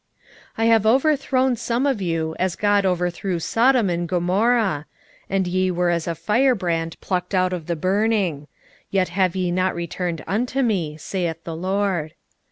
4:11 I have overthrown some of you, as God overthrew Sodom and Gomorrah, and ye were as a firebrand plucked out of the burning: yet have ye not returned unto me, saith the LORD.